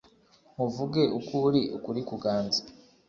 nkuvuge uko uri ukuri kuganze,